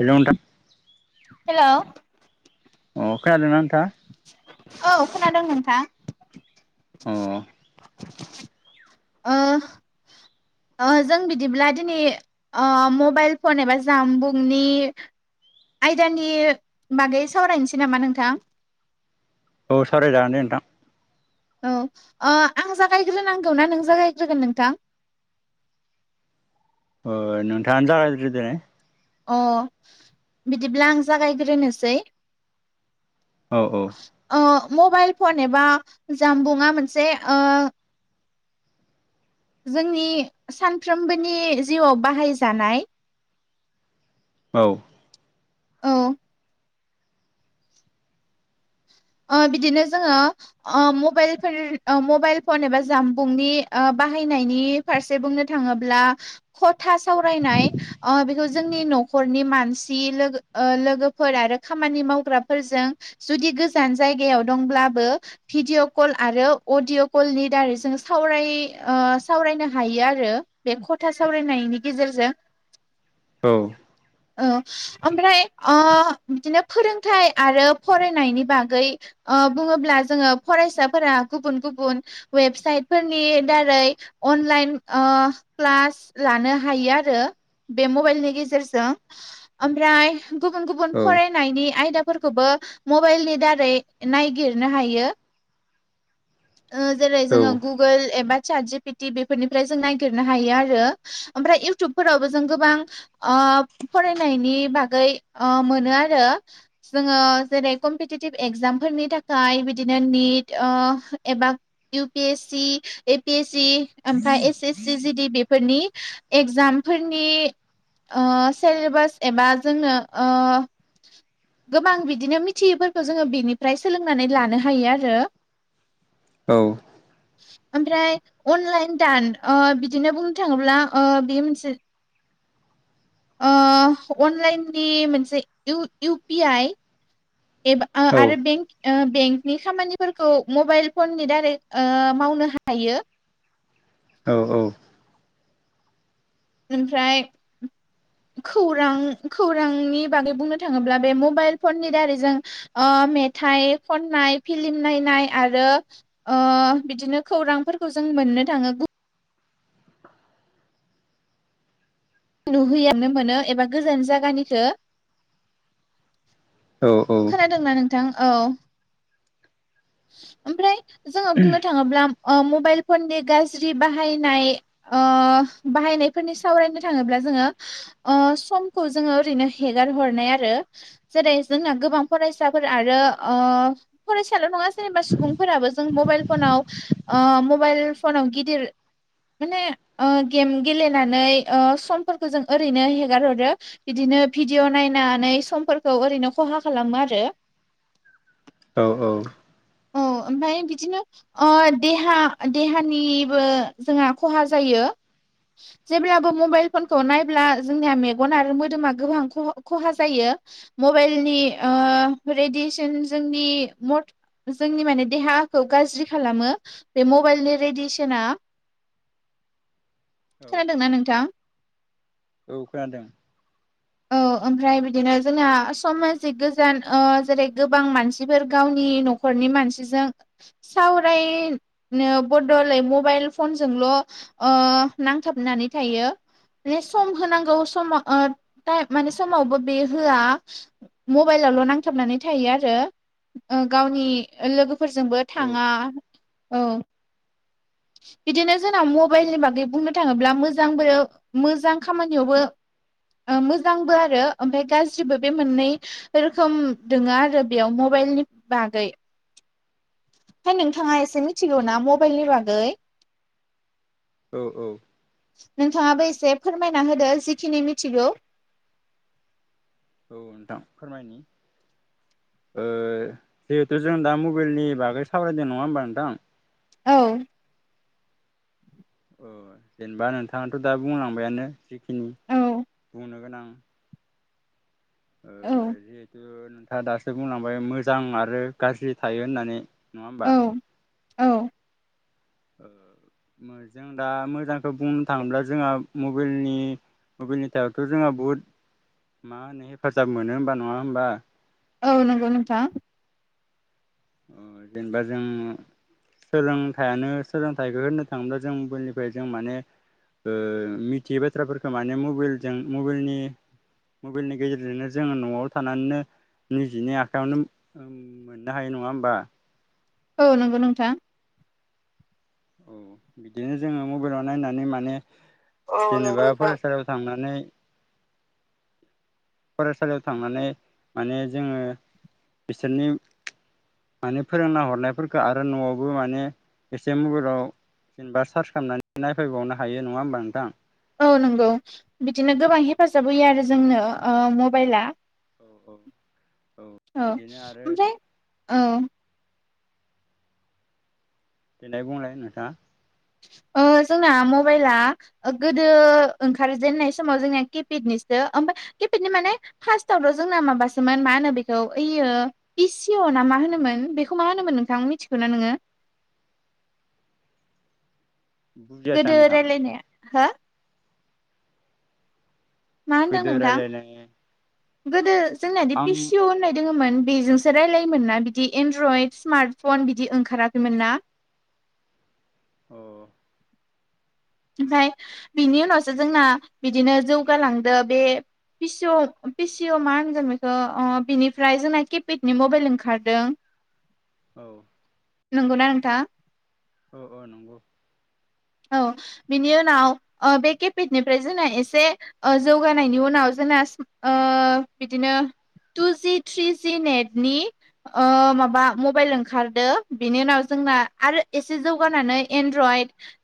Hello नोंथां। हेल' अ खोनादोंना नोंथांआ? औ खोनादों नोंथां अ ओह ओ जों बिदिब्ला दिनि ओ मबाइल फन एबा जामबुंनि आयदानि बागै सावरायनिसै नामा नोंथां औ सावराय जागोनदे नोंथां। औ ओ आं जागायग्रोनांगौ ना नों जागायग्रोगोन नोंथां। [unintelligible] अ बिदिब्ला आं जागायग्रोनोसै। औ औ। ओ मबाइल फन एबा जामबुङा मोनसे ओ जोंनि सानफ्रोमबोनि जिउआव बाहायजानाय औ। औ। ओ बिदिनो जोङो ओ मबाइलफोर ओ मबाइल फन एबा जामबुंनि ओ बाहानायनि फारसे बुंनो थाङोब्ला खथा सावरायनाय ओ बेखौ जोंनि न' नखरनि मानसि लोगो ओ लोगोफोर आरो खामानि मावग्राफोरजों जुदि गो जान जायगायाव दंब्लाबो भिडिअ' कल आरो अडिअ' कलनि दारै जों सावराय ओ सावरायनो हायो आरो बे खथा सावरायनायनि गेजेरजों औ। औ ओमफ्राय ओ बिदिनो फोरोंथाइ आरो फरायनायनि बा गै ओ बुङोब्ला जोङो फरायसाफोरा गुबुन गुबुन वेबसाइटफोरनि दार रै अनलाइन ओ क्लास लानो हायो आरो बे मबाइलनि गेजेरजों ओमफ्राय गुबुन गुबुन औ फरायनायनि आयदाफोरखोबो मबाइलनि दा रै नायगिरनो हायो ओ जेरै औ जोङो गुगोल एबा छाटजिपिति बेफोरनिफ्राय जों नायगिरनो हायो आरो ओमफ्राय इउतुबफोरावबो जों गोबां ओ ओ फरायनायनि बागै ओ मोनो आरो जोङो जेरै कमपिटि टिभ एक्जामफोरनि थाखाय बिदिनो निट ओ एबा U P S C, A P S C ओमफाय एस एस सि जिदि बेफोरनि एगजामफोरनि ओ सेलेबास एबा जोंनो ओ गोबां बिदिनो मिथियिफोरखो जोङो बिनिफ्राय सोलोंनानै लानो हायो आरो औ। ओमफ्राय अनलाइन दान ओ बिदिनो बुंनो थाङोब्ला ओ बेयो मोनसे [unintelligible] [inaudible] ओ अनलाइननि मोनसे इउ-इउपि आइ एबा ओ औ आरो बेंक ओ बेंकनि खामानिफोरखौ मबाइल फननि दारै ओ मावनो हायो। औ औ। ओमफ्राय खौरां खौरांनि बागै बुंनो थाङोब्ला बे मबाइल फननि दारै जों ओ मेथाइ खननाय फिलिम नायनाय आरो ओ बिदिनो खौरांफोरखौ जों मोननो थाङो गु नुहै एरनो मोनो एबा गोजान जागानिखो खोनादों ना नोंथां? औ। ओमफ्राय जोङो बुंनो थाङोब्ला अ मबाइल फननि गाज्रि बाहायनाय ओ बाहायनायफोरनि सावरायनो थाङोब्ला जोङो ओ समखौओरैनो हेगार हरनाय आरो जेरै जोंना गोबां फर फरायसाफोर आरो ओ फरायसाल' नङा सोरनिबा सुबुंफोराबो जों मबाइल फनाव ओ मबाइल फनाव गिदिर माने ओ गेम गेलेनानै ओ समफोरखौ जों ओरैनो हेगार हरो बिदि नो भिडिअ' नायनानै समफोरखौ ओरैनो खहा खालामो आरो औ औ। औ ओमफाय बिदिनो अ देहा देहानिबो जोंहा खहा जायो। [unintelligible] जेब्लाबो मबाइल फनखौ औ नायब्ला जोंनिया मेगन आरो मोदोमा गोबां ख-खहा जायो। मबाइलनि ओ रेडेसन जोंनि मर जोंनि माने देहाखौ गाज्रि खालामो बे मबाइलनि रेडियेसना। [inaudible] [unintelligible] खोनादोंना नोंथां? औ खोनादों। औ ओमफ्राय बिदिनो जोंना समाजिक गोजान जेरै गोबां मानसिफोर गावनि न'खरनि मानसिजों सावरायनो बलाय मबाइल फनजोंल' ओ नांथाबनानै थायो मे सम होनांगौ समाव ओ टाइम माने समावबो बे होआ मबाइलावल' नांथाबनानै थायो आरो गावनि लोगोफोरजोंबो औ औ थाङा औ [inaudible] [unintelligible] बिदिनो जोंनाव मबाइलनि बागै बुंनो थाङोब्ला मोजांबो मोजां खामानियावबो मोजांबो आरो ओमफ्राय गाज्रिबो बे मोननै रोखोम दोङो आरो बेयाव मबाइल बिनि बागै [inaudible] [unintelligible] म नोंथाङा एसे मिथिगौ ना मबाइलनि बागै औ औ नोंथाङाबो एसे फोरमायना होदो जिखिनि मिथिगौ औ नोंथां फोरमायनि ओ जिहेथु जों दा मबाइलनि बागै सावरायदों नङा होमबा नोंथां। औ। जेनेबा नोंथाङाथ' दा बुंलांबायानो जिखिनि औ बुंनो गोनां औ जिहेथु नोंथाङा दासो बुंलांबाय मोजां आरो गाज्रि थायो होननानै नङा औ होमबा? औ। जों दा मोजांखौ बुंनो थाङोब्ला जोंहा मबाइलनि बबेनिथायथ' जोंहा बुहुद मा होनो हेफाजाब मोनो होमबा नङा होमबा औ नंगौ नोंथा अ जेनेबा जों सोलोंथाइयानो सोलोंथाइखौ होननो थाङोब्ला जों मबलनिफ्राय जों माने ओ मिथियै बाथ्राफोरखौ माने मबाइलजों मबाइलनि मबाइलनि गेजेरजोंनो जोङो न'आव थानानैनो निजिनि आखायावनो मोननो हायो हायो नङा होमबा औ नंगौ नोंथां औ बिदिनो जोङो मबाइलाव नायनानै माने औ नंगौ जेनेबा नोंथां फरायसालियाव थांनानै फरायसालियाव थांनानै माने जोङो बिसोरनि माने फोरोंना हरनायफोरखौ आरो न'आवबो माने एसे मबाइलाव जेनेबा सार्च खालामनानै नायफैबावनो हायो नङा होमबा नोंथां औ नंगौ बिदिनो गोबां हेफाजाब होयो आरो जोंनो ओ मबाइला औ औ ओमफ्राय ओ दे बुंलाय नोंथाङ ओ जोंना मबाइला गोदो ओंखारजेेननाय समाव जोंनिया किपेडनिसो ओमफ्राय केफेटनि माने फार्स्ट आट' जोंना माबासोमोन मा होनो बेखौ यो इसिअ ना मा होनोमोन बेखौ मा होनोमोन नोंथां मिथिखौ ना नोङो [unintelligible] [inaudible] बुजियासै आं गोदो नोंथां रायलायनाया हो मा होनदों गोदो नोंथां रायलायनाय गोदो जोंनियााद आं पिसिअ होननाय दोङो मोन बेजोंसो रायजलायोमोन ना बिदि एनड्रयड स्मार्टफन बिदि ओंखाराखैमोन ना अ ओमफफ्राय बिनि उनावसो जोंना बिदिनो जौगालांदो बे पिस' पिसिव मा होनगोन बेखौ अ बिनिफ्राय जोंना किपेडनि मबाइल ओंखारदों औ नंगौना नोंथां? औ औ नंगौ औ बिनि उनाव ओ बे केपेटनिफ्राय जोंना एसे जौगानायनि उनाव जों जोन सम ओ बिदिनो टु जि थ्रिजि नेटनि ओ माबा मबाइल ओंखारदो बिनि उनाव जोंना आरो एसे जौगानानै एनड्रइड [unintelligible]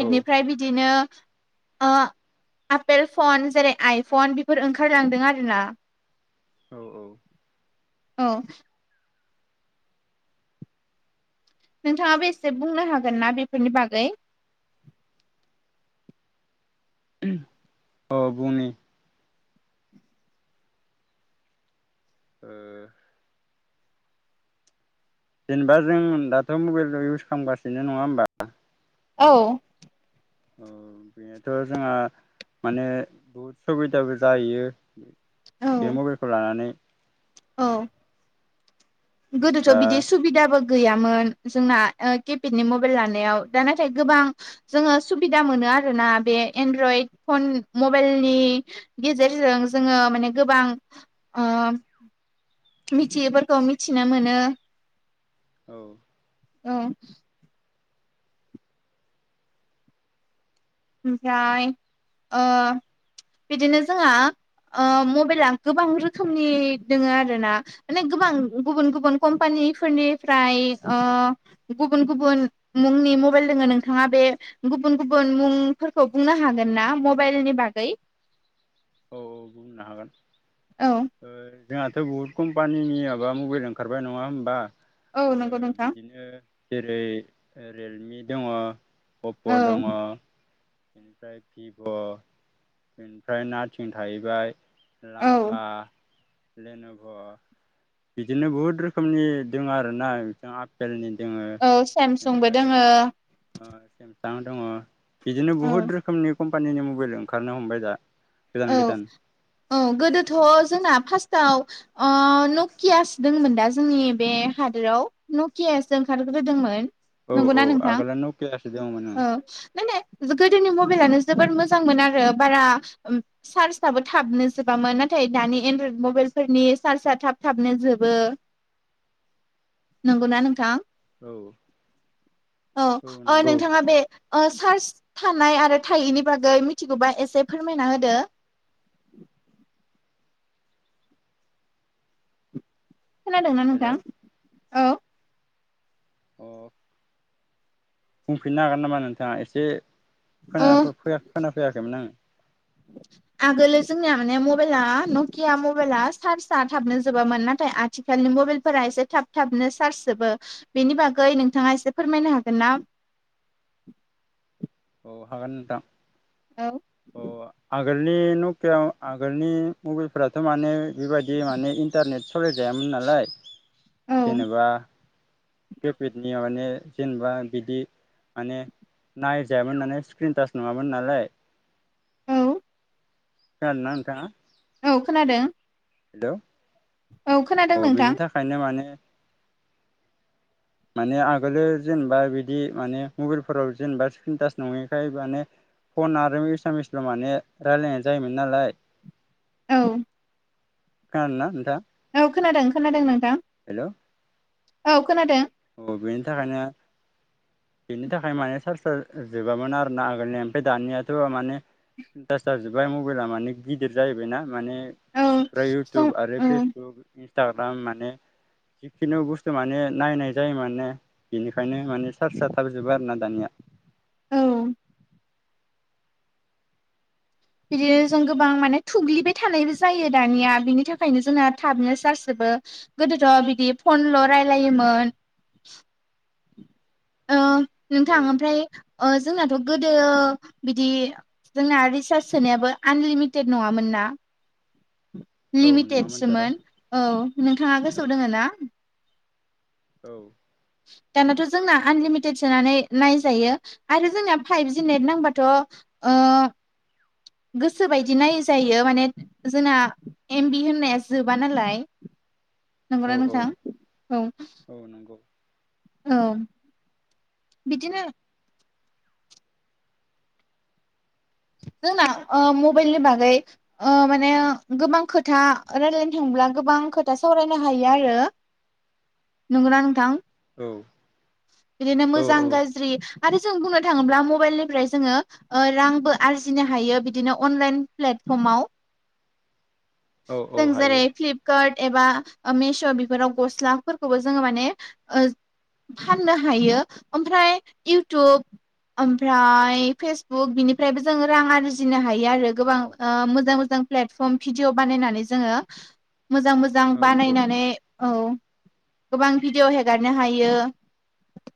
औ बिदिनो ओ आपेल फन जेरै आइफन बेफोर ओंखारलांदों आरोना। औ औ औ नोंथाङाबो एसे बुंनो हागोन ना बेफोरनि बागै? [inaudible] औ बुंनि ओ जेनेबा जों दाथ' मबाइल इउस खालामगासिनो नङा होमबा? औ औ बेनोथ' जोंहा माने बहुद सुबिदाबो जाहैयो औ बे मबाइलखौ लानानै औ गोदोथ' जेनेबा बिदि औ सुबिदाबो गैयोमोन जोंना केपेडनि मबाइल लानायाव दा नाथाय गोबां जोङो सुबिदा मोनो आरोना बे एनड्रइड फन मबाइलनि गेजेरजों जोङो माने गोबां ओ मिथियैफोरखौ मिथिनो मोनो औ औ ओमफ्राय ओ बिदिनो जोंहा ओ मबेइला गोबां रोखोमनि दोङो आरो ना माने गोबां गुबुन गुबुन कम्पानि निफोरनिफ्राय ओ गुबुन गुबुन मुंनि मबेइल दोङो नोंथाङा बे गुबुन गुबुन मुंफोरखौ बुंनो हागोन ना मबाइलनि बागै औ औ बुंनो हागोन औ ओ जोंहाथ' बुहुत कम्पानिनि माबा मबेल ओंखारबाय नङा होमबा औ ओ नंगौ नोंथां बिदिनो जेरै रियेलमि दङ' अप्प औ दङ' बेनिफ्राय भिभ‌' बेनिफ्राय नाथिं थाहैबाय औ लाभा लेनभ' बिदिनो बुहुद रोखोमनि दङ' आरोना बिथिं आफेलनि औ सेमसंबो दोङो सां‌ दङ' बिदिनो औ बहुत रोखोमनि कम्पानिनि मबेल ओंखारनो हमबाय दा। गोदान औ गोदान औ गोदोथ' जोंना फास्ट टाव ओ नकियासो दोंमोन दा जोंनि बे हादोराव नकियासो ओंखार ग्रोदोंमोन औ औ नंगौना नोंथां आगोलना नकियासो दङमोन ओ‌ नायनाय गोदोनि मबेलानो जोबोर मोजां मोन आरो बारा चार्जआबो थाबनो जोबामोन नाथाय दानि एनड्रयड मबेइल फोरनि चार्ज आ थाब थाबनो जोबो बो [inaudible] नंगौना नोंथां? औ औ ओ‌ नोंथाङा बे‌ ओ सार्स थानाय आरो थायैनि बागै मिथिगौबा एसे फोर फोरमायना होदो। खोनादोंना हेल' नोंथां? औ। अ बुंफिननो हागोन नामा नोंथाङा एसे ओ खोनाफैया खोनाफैयाखैमोन आङो? [inaudible] आगोलो जोंनिया माने मबेला नकिया मबेला चार्जआ थाबनो जोबामोन नाथाय आथिखालनि मबेलफोरा एसे थाब थाबनो चार्ज जोबो बेनि बागै नोंथाङा एसे फोरमायनो हागोन ना? औ हागोन नोंथां। औ औ आगोल नि नकियाव आगोलनि मबाइलफोराथ' माने बेबायदि माने इन्टारनेट सालायजायामोन ना लाय औ जेनोबा‌ किपेदनिया माने जेनोबा बिदि माने नाय जायामोन‌ माने स्क्रिन टास नङामोन नालाय। औ खोनादो‌ना नोंथाङा? औ खोनादों। हेलौ, खोनादों औ नोंथां बिनि थाखायनो माने माने आगोलो जेनोबा बिदि माने मबेलफोराव जेनोबा स्क्रिनटास नङैखाय माने फन आरो इसामिसल माने रायलायनाय जायोमोन नालाय औ। खोनादोना नोंथाङा? औ खोनादों खोनादों नोंथां, औ खोनादों। औ बेनि थाखायनो बेनि थाखाय माने सार्च आ जोबामोन आरोना आगोलनि ओमफ्राय दानियाथ माने स्किन टास‌ जाजोब्बाय मबेला माने गिदिर जाहैबायना माने औ ओमफ्राय जों इवतुब आरो औ फेसबुक इन्स टाग्राम माने जिखिनु बुस्थु माने नायनाय जायो माने बेनिखायनो माने सार्स थाब जोबो आरोना दानिया। औ। बिदिनो जों गोबां माने थुग्लिबाय थानायबो जायो दानिया बिनि थाखायनो जोंना थाबनो सार्स जोब बो, गोदोथ' बिदि फनल' रालायोमोन। नोंथां औ ओमफ्राय ओ जोंनाथ' गोदो बिदि जोंना रिसार्ज सोनायाबो आनलिमिटेड नङामोन ना? औ औ नङामोनथ' र' लिमिटेडसोमोन। औ, नोंथाङा औ गोसोआव दोङो ना? औ। दानाथ' जोंना आनलिमिटेड सोनानै नायजायो आरो जोंनाया फाइभजि नेट नांबाथ' गोसो बायदि नायै जायो माने जोंना एमबि होननाया जोबा नालाय। औ नंगौना औ नोंथां? औ। औ नंगौ औ बिदिनो जोंना ओ मबाइलनि बागै ओ माने गोबां खोथा रायलायनो थां ब्ला गोबां खोथा सावरायनो हायो आरो। नंगौना नोंथां? औ बिदिनो औ मोजां औ गाज्रि आरो जों बुंनो थांब्ला मबाइलनिफ्राय जोङो ओ रांबो आरजिनो हायो बिदिनो अनलाइन प्लेटफर्माव। औ जों औ जारै हायो फ्लिपकार्ट एबा मिसो बेफोराव गस्लाफोरखौबो जोङो माने ओ फाननो हायो ओमफ्राय इउटुब ओमफ्राय फेसबुक बिनि फ्रायबो जोंङो रां आरजिनो हायो आरो गोबां ओ मोजां मोजां प्लेटफर्म भिडिअ बानायनानै जोङो मोजां मोजां औ औ बानायनानै औ गोबां भिडिअ हेगारनो हायो